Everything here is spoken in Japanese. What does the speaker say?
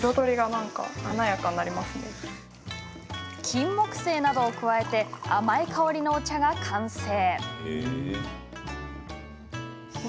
キンモクセイなどを加えて甘い香りのお茶が完成。